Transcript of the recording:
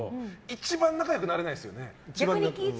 一番仲良くなれないですよね。